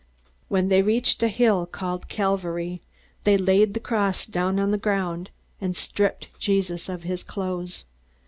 When they reached a hill called Calvary, they laid the cross down on the ground, and stripped Jesus of his clothes.